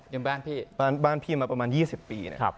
ยืมบ้านพี่มาประมาณ๒๐ปีเนี่ย